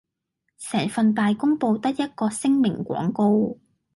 成份大公報得一個聲明廣告